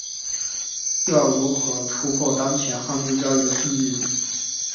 要如何突破当前汉字教育的困境呢？